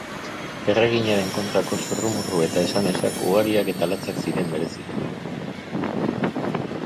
Erreginaren kontrako zurrumurru eta esamesak ugariak eta latzak ziren, bereziki.